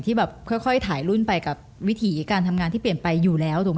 แบบค่อยถ่ายรุ่นไปกับวิถีการทำงานที่เปลี่ยนไปอยู่แล้วถูกไหม